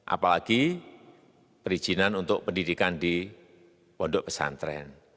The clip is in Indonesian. apalagi perizinan untuk pendidikan di pondok pesantren